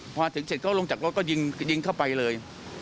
พอถึงเสร็จเขาลงจากรถก็ยิงเข้าไปเลย